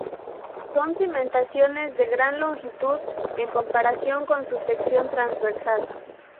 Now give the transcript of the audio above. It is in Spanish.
Son cimentaciones de gran longitud en comparación con su sección transversal.